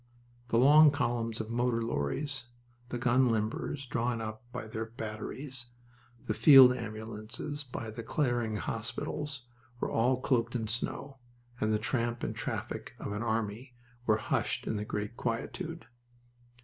The long columns of motor lorries, the gun limbers drawn up by their batteries, the field ambulances by the clearing hospitals, were all cloaked in snow, and the tramp and traffic of an army were hushed in the great quietude.